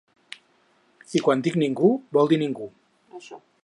I quan dic ningú vol dir ningú.